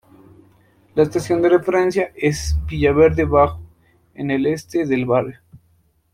La estación de referencia es Villaverde Bajo, en el este del barrio.